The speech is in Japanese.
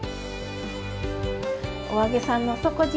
「“お揚げさん”の底力！」